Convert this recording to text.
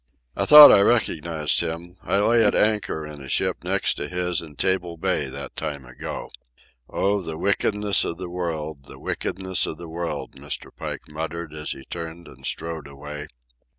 "I thought I recognized him. I lay at anchor in a ship next to his in Table Bay that time ago." "Oh, the wickedness of the world, the wickedness of the world," Mr. Pike muttered as he turned and strode away.